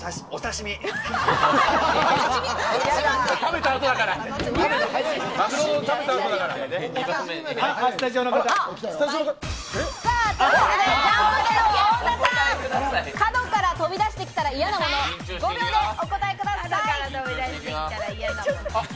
じゃあスタジオの方。ということで、ジャンポケの太田さん、角から飛び出してきたら嫌なもの、５秒でお答えください。